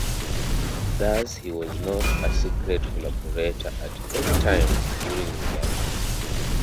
Thus he was not a secret collaborator at any time during his life.